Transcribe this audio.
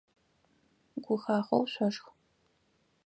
Гухахъоу шъошх!